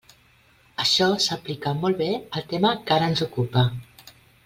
Això s'aplica molt bé al tema que ara ens ocupa.